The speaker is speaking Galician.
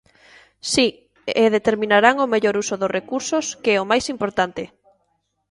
Si, e determinarán o mellor uso dos recursos, que é o máis importante.